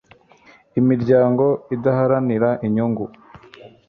imiryango idaharanira inyungu